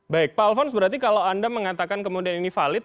baik pak alfons berarti kalau anda mengatakan kemudian ini valid